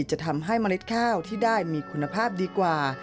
จะทำให้เมล็ดข้าวที่ได้มีคุณภาพดีกว่า